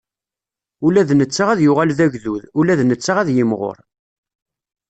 Ula d netta ad yuɣal d agdud, ula d netta ad yimɣur.